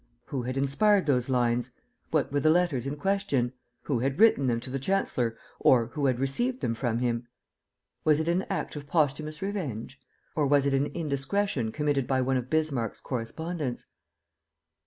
Who had inspired those lines? What were the letters in question? Who had written them to the chancellor or who had received them from him? Was it an act of posthumous revenge? Or was it an indiscretion committed by one of Bismarck's correspondents?